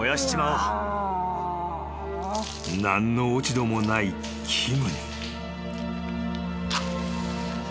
［何の落ち度もないキムに］